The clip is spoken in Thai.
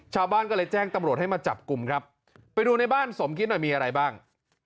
ชาวบ้านก็เลยแจ้งตำรวจให้มาจับกลุ่มครับไปดูในบ้านสมคิดหน่อยมีอะไรบ้าง